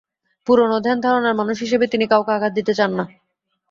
পুরোনো ধ্যান ধারণার মানুষ হিসেবে তিনি কাউকে আঘাত দিতে চান না।